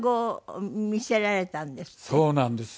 そうなんです。